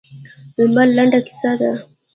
لمر لنډه کیسه ده.